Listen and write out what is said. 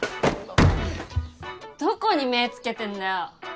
どこに目つけてんだよ！